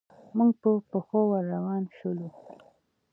موږ په پښو ور روان شولو.